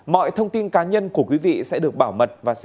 mọi thông tin cá nhân của quý vị sẽ được bảo mật